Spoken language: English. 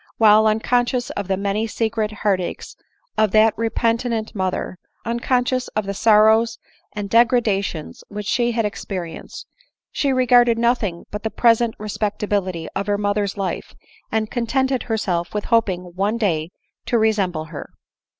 while, unconscious of the many secret heart aches of that repentant mother, unconscious of the sor rows and degradations she had experienced, she regarded nothing but the present respectability of her mother's life, and contented herself with hoping one day to re semble her.